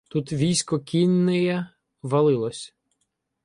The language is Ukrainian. Тут військо кіннеє валилось